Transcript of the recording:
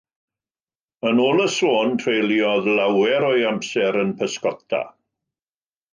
Yn ôl y sôn, treuliodd lawer o'i amser yn pysgota.